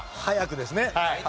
早くですね。